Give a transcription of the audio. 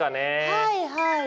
はいはい。